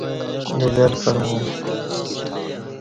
ڈگر پلݣہ